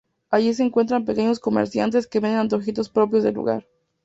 Alli se encuentran pequeños comerciantes que venden antojitos propios del lugar.